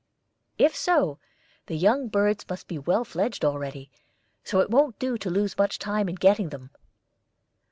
If so, the young birds must be well fledged already; so it won't do to lose much time in getting them."